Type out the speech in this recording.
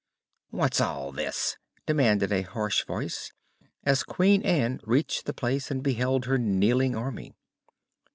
"What's all this?" demanded a harsh voice, as Queen Ann reached the place and beheld her kneeling army.